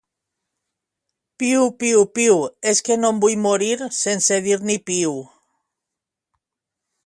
Piu piu piu és que no em vull morir sense dir ni piu